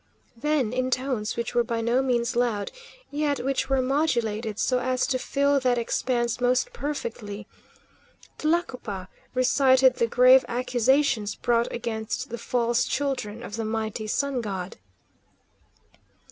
Then, in tones which were by no means loud, yet which were modulated so as to fill that expanse most perfectly, Tlacopa recited the grave accusations brought against the false children of the mighty Sun God.